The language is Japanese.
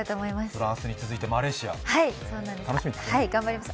フランスに続いてマレーシア、楽しみですね。